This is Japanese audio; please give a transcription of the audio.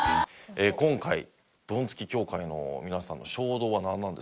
今回ドンツキ協会の皆さんの衝動はなんなんですか？